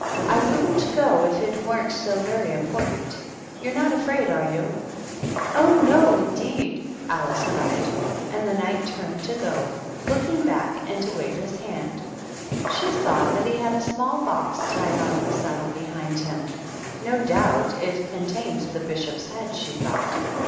I wouldn't go if it weren't so very im portant. You're not afraid, are vo'i ?"" Oh, no indeed !" Alice cried ; and the Knight turned to go, looking back to wave hie hand. She saw that he had a small box tied on the saddle behind him ; no doubt it contained the Bishop's head, she thought.